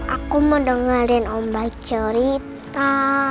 aku mau dengerin om baik cerita